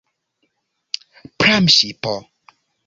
Pramŝipo!